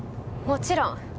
もちろん。